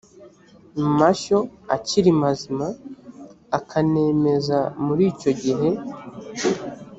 mashyo akiri mazima akanemeza muri icyo gihe